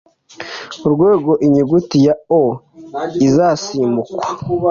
urwego Inyuguti ya O izasimbukwa